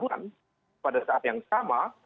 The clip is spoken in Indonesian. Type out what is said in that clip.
di perangunan pada saat yang sama